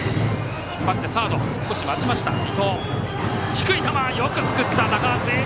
低い球、よくすくった高橋！